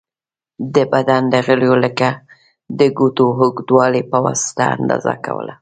د بدن د غړیو لکه د ګوتو اوږوالی په واسطه اندازه کوله.